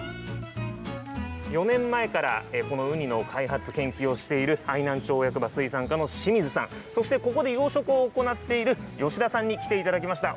４年前から、このウニの開発研究をしている愛南町役場水産課の清水さんそして、ここで養殖を行っている吉田さんに来ていただきました。